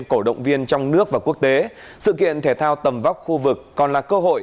cổ động viên trong nước và quốc tế sự kiện thể thao tầm vóc khu vực còn là cơ hội